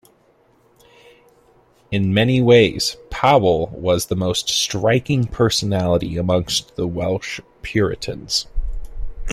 In many ways, Powell was the most striking personality amongst the Welsh Puritans.